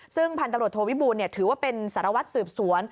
ซึ่งพันตำรวจโทวิบูลถือว่าเป็นสารวัตรสืบสวน